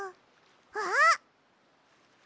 あっ！